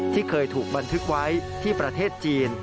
ที่เคยถูกบันทึกไว้ที่ประเทศจีน